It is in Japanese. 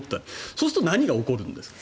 そうすると何が起こるんですか。